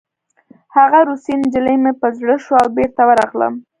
هغه روسۍ نجلۍ مې په زړه شوه او بېرته ورغلم